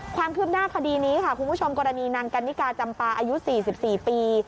ความคืบหน้าคดีนี้ค่ะคุณผู้ชมกรณีนางกันนิกาจำปาอายุ๔๔ปี